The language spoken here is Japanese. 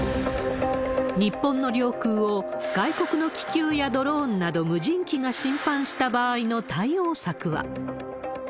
日本の領空を、外国の気球やドローンなど、無人機が侵犯した場合の対応策は。